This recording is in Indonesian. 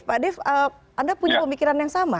pak dev anda punya pemikiran yang sama